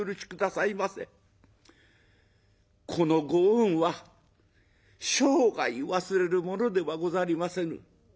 このご恩は生涯忘れるものではござりませぬ。